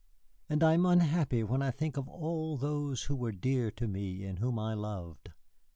And I am unhappy when I think of all those who were dear to me and whom I loved.